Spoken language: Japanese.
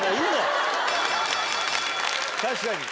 確かに。